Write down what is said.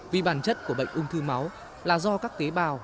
vì bản chất của bệnh ung thư máu là do các tế bào